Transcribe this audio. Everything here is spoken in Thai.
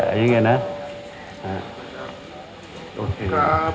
โปรดติดตามตอนต่อไป